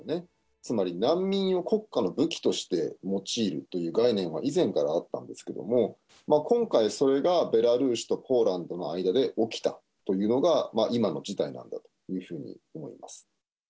つまり難民を国家の武器として用いるという概念が以前からあったんですけれども、今回、それがベラルーシとポーランドの間で起きたというのが、今の事態なんだというふうに思います。